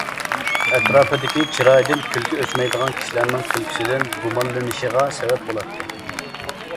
ئەتراپىدىكى چىرايىدىن كۈلكە ئۆچمەيدىغان كىشىلەرنىڭ كۈلكىسىدىن گۇمانلىنىشىغا سەۋەب بولاتتى.